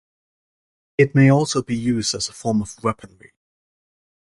It may also be used as a form of weaponry.